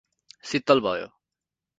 सित्तल भयो।